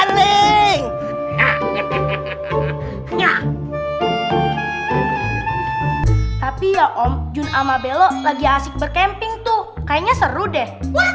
tapi ya om jun ama bello lagi asik berkemping tuh kayaknya seru deh